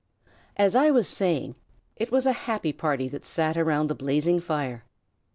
As I was saying, it was a happy party that sit around the blazing fire.